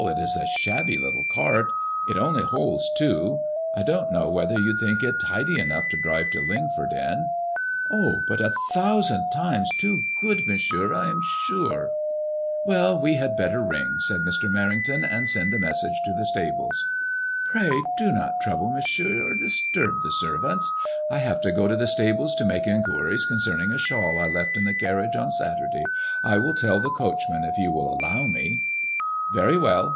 It is a shabby little cart. It only holds two. I don't know whether you'll think it tidy enough to drive to Lingford m. ''Oh, but a thousand times too good, Monsieur, I am sure." ''Well, we had better ring," 8 no MADBMOISBLLB IXX. said Mr. Menington, and send a message to the stables." " Pray do not trouble. Mon sieur, or disturb the servants. I have to go to the stables to make inquiries concerning a shawl I left in the carriage on Saturday. I will tell the coach man if you will allow me.'* *• Very well.